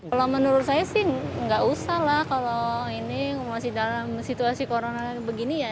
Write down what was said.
kalau menurut saya sih nggak usah lah kalau ini masih dalam situasi corona begini ya